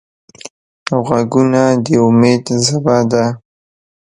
غوږونه د امید ژبه ده